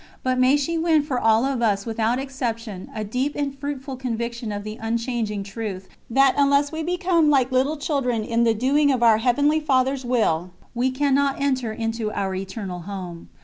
But may she win for all of us without exception a deep and fruitful conviction of the unchanging truth, that unless we become as little children in the doing of our Heavenly Father's Will, we cannot enter into our Eternal Home.